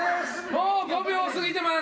もう５秒過ぎてます。